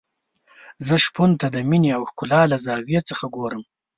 زه شپون ته د مينې او ښکلا له زاویې څخه ګورم.